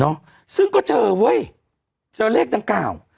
เนาะซึ่งก็เจอเว้ยเจอเลขเท่า